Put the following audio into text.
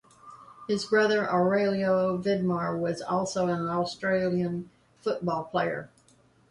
His brother Aurelio Vidmar was also an Australian football player.